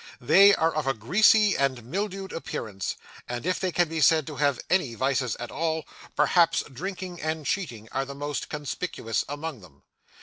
They are of a greasy and mildewed appearance; and if they can be said to have any vices at all, perhaps drinking and cheating are the most conspicuous among them.